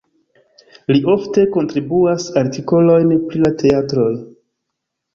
Li ofte kontribuas artikolojn pri la teatroj.